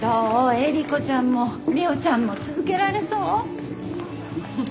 エリコちゃんもミホちゃんも続けられそう？